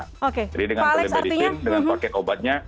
jadi dengan telemedicine dengan paket obatnya